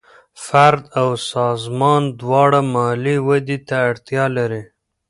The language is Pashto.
فرد او سازمان دواړه مالي ودې ته اړتیا لري.